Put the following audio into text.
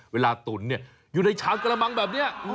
เวลาตุ๋นเนี่ยอยู่ในช้ากระมังแบบเนี่ย